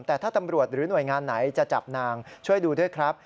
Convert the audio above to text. แต่ถ้าตำรวจหรือหน่วยงานไหนจะจับนางช่วยดูด้วยครับ